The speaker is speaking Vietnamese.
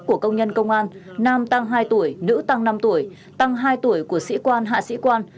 của công nhân công an nam tăng hai tuổi nữ tăng năm tuổi tăng hai tuổi của sĩ quan hạ sĩ quan